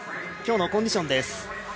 今日のコンディションです。